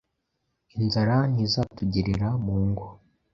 Inzara ntizatugerera mu ngo.